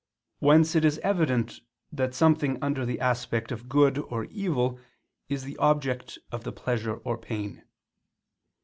Whence it is evident that something under the aspect of good or evil is the object of the pleasure or pain.